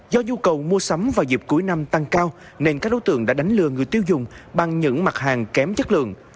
do nhu cầu mua sắm vào dịp cuối năm tăng cao nên các đối tượng đã đánh lừa người tiêu dùng bằng những mặt hàng kém chất lượng